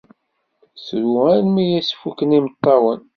Tru armi ay as-fuken yimeṭṭawen.